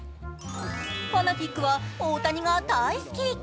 ファナティックは大谷が大好き。